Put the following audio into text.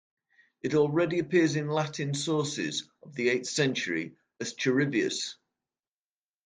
It already appears in Latin sources of the eighth century as Charivius.